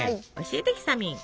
教えてひさみん。